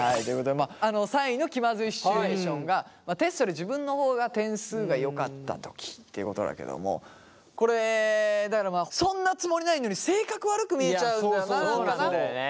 まああの３位の気まずいシチュエーションがテストで自分の方が点数がよかった時ということだけどもこれだからまあそんなつもりないのに性格悪く見えちゃうんだよな何かな。